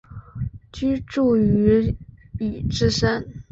居住于宇治山。